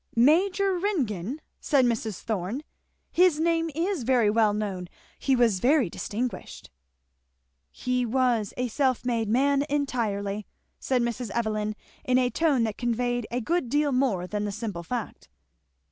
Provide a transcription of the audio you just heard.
"Major Ringgan!" said Mrs. Thorn; "his name is very well known; he was very distinguished." "He was a self made man entirely," said Mrs. Evelyn, in a tone that conveyed a good deal more than the simple fact.